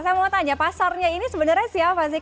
saya mau tanya pasarnya ini sebenarnya siapa sih